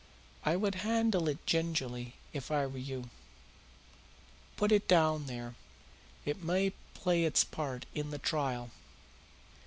I would handle it gingerly if I were you. Put it down here. It may play its part in the trial."